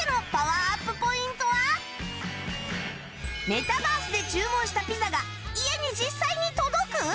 メタバースで注文したピザが家に実際に届く！？